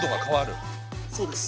そうです。